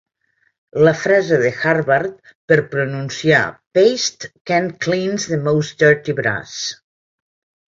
La frase de Harvard per pronunciar "Paste can cleanse the most dirty brass."